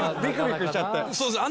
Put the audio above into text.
そうですね。